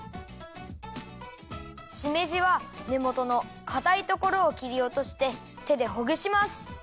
しめじはねもとのかたいところをきりおとしててでほぐします。